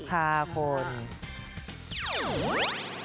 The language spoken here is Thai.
ค่ะครับ